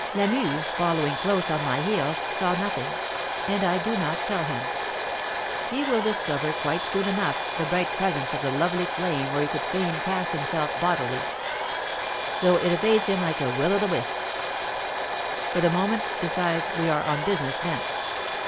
Lamuse, following close on my heels, saw nothing, and I do not tell him. He will discover quite soon enough the bright presence of that lovely flame where he would fain cast himself bodily, though it evades him like a Will o' th' wisp. For the moment, besides, we are on business bent.